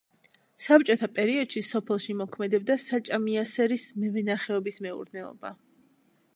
საბჭოთა პერიოდში სოფელში მოქმედებდა საჭამიასერის მევენახეობის მეურნეობა.